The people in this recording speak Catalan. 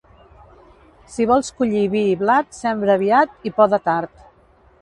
Si vols collir vi i blat, sembra aviat i poda tard.